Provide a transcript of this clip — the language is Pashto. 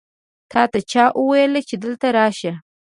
تاته چا وویل چې دلته راشه؟